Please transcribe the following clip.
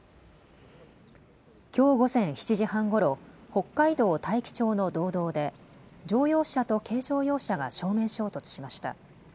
きょう午前７時半ごろ北海道大樹町の道道で乗用車と軽乗用車が正面衝突しました。